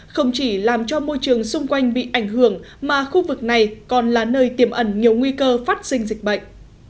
không chỉ làm cho môi trường xung quanh bị ảnh hưởng mà khu vực này còn là nơi tiềm ẩn nhiều nguy cơ phát sinh dịch bệnh